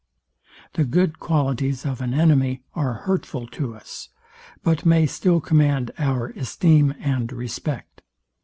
The good qualities of an enemy are hurtful to us; but may still command our esteem and respect.